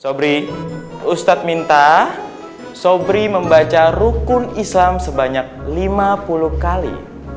sobri ustadz minta sobri membaca rukun islam sebanyak lima puluh kali